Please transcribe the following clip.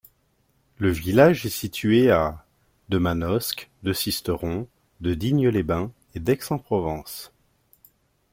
Le village est situé à de Manosque, de Sisteron, de Digne-les-Bains et d'Aix-en-Provence.